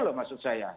itulah maksud saya